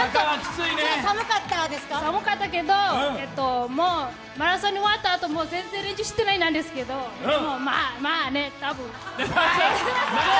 寒かったけど、もうマラソン終わったあとも、練習してないんですけど、でもまあ、まあね、多分。